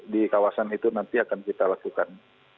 di kawasan itu nanti akan kita lakukan